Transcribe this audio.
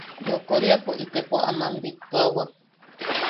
Yokoriapo itepo aman bittuawak.